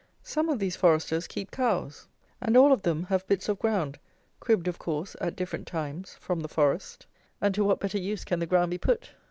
Some of these foresters keep cows, and all of them have bits of ground, cribbed, of course, at different times, from the forest: and to what better use can the ground be put?